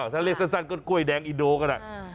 ถ้าเรียกสั้นก็กล้วยแดงอินโดก็ได้